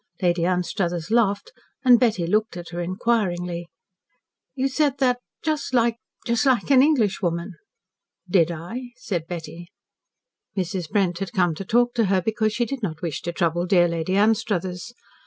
Lady Anstruthers laughed, and Betty looked at her inquiringly. "You said that just like just like an Englishwoman." "Did I?" said Betty. Mrs. Brent had come to talk to her because she did not wish to trouble dear Lady Anstruthers.